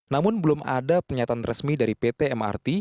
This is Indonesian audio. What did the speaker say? namun belum ada pernyataan resmi dari pt mrt